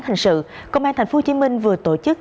hành sự công an tp hcm vừa tổ chức